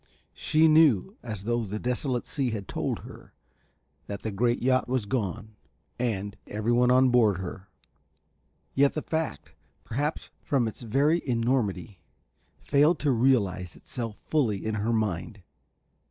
She knew, as though the desolate sea had told her, that the great yacht was gone and everyone on board of her; yet the fact, perhaps from its very enormity, failed to realize itself fully in her mind.